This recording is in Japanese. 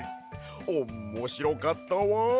おんもしろかったわ！